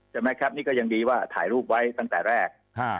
ใช่ไหมครับนี่ก็ยังดีว่าถ่ายรูปไว้ตั้งแต่แรก